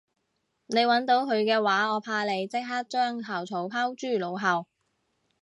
你搵到佢嘅話我怕你即刻將校草拋諸腦後